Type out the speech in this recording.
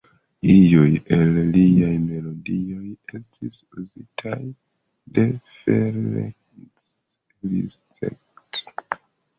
Iuj el liaj melodioj estis uzitaj de Ferenc Liszt.